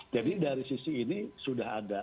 jadi dari sisi ini sudah ada